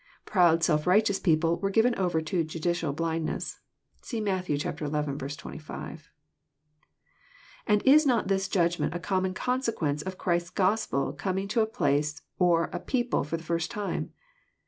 Proud, self righteous people were given over to judicial blindness. (See Matt. xi. 25.) And is not this judgment a common consequence of Christ*s Gospel coming to a place or a people for the first time?